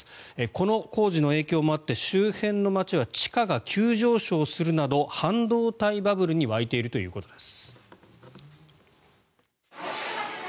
この工事の影響もあって周辺の街は地価が急上昇するなど半導体バブルに沸いているということです。